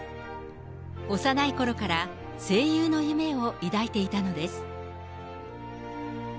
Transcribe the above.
幼いころから声優の夢を抱いていたのです。